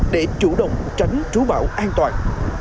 để chủ động tránh trú bão an toàn